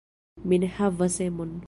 Mi ne havas emon.